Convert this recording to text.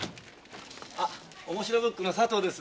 あっ「おもしろブック」の佐藤です。